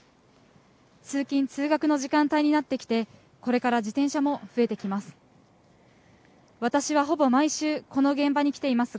通勤・通学の時間帯になってきて、これから自転車も増えてきます。